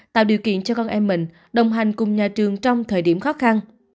tạo điều kiện cho con em mình đồng hành cùng nhà trường trong thời điểm khó khăn